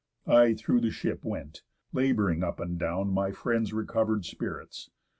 I through the ship went, labouring up and down My friends' recover'd spirits.